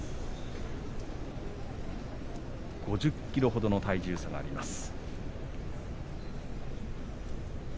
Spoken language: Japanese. ５０ｋｇほどの体重差があります。